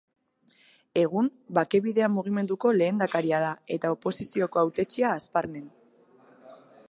Egun, Bake Bidea mugimenduko lehendakaria da, eta oposizioko hautetsia Hazparnen.